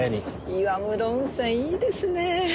岩室温泉いいですね！